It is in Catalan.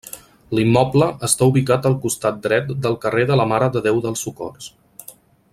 L'immoble està ubicat al costat dret del carrer de la Mare de Déu dels Socors.